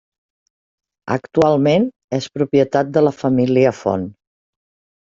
Actualment és propietat de la família Font.